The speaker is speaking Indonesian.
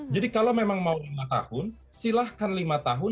jadi kalau memang mau lima tahun silahkan lima tahun